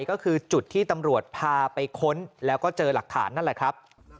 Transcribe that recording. ก็คือจุดที่ตำรวจพาไปค้นแล้วก็เจอหลักฐานนั่นแหละครับ